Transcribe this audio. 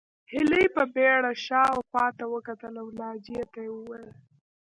هيلې په بېړه شا او خواته وکتل او ناجيې ته وویل